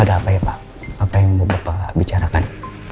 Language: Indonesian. ada apa ya pak apa yang mau bapak bicarakan